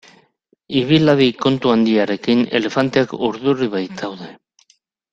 Ibil hadi kontu handiarekin elefanteak urduri baitaude.